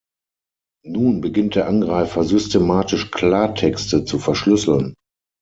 Nun beginnt der Angreifer, systematisch Klartexte zu verschlüsseln.